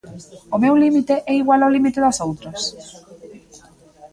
O meu límite é igual ao límite das outras?